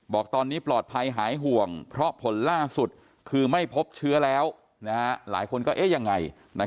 บอกตอนนี้ปลอดภัยหายห่วงเพราะผลล่าสุดคือไม่พบเชื้อแล้วหลายคนก็เอ๊ะยังไง